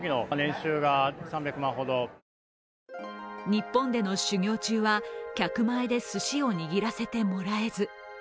日本での修行中は、客前ですしを握らせてもらえず。